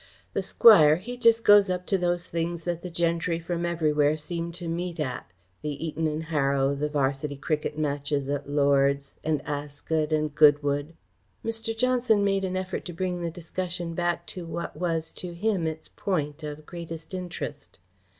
The Squire, he just goes up to those things that the gentry from everywhere seem to meet at the Eton and Harrow, and Varsity Cricket Matches at Lord's, and Ascot and Goodwood." Mr. Johnson made an effort to bring the discussion back to what was to him its point of greatest interest.